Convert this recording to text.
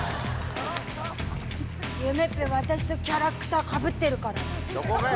夢っぺ、私とキャラクターかぶってるからね。